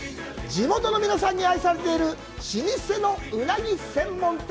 地元の皆さんに愛されている老舗のウナギ専門店。